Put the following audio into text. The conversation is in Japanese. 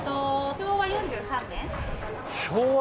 昭和４３年。